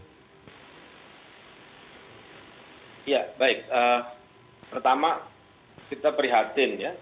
ya baik pertama kita prihatin ya